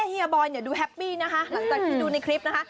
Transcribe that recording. เฮียบอยเนี่ยดูแฮปปี้นะคะหลังจากที่ดูในคลิปนะคะ